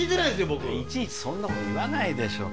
僕いちいちそんなこと言わないでしょ